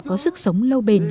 có sức sống lâu bền